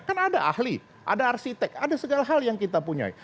kan ada ahli ada arsitek ada segala hal yang kita punya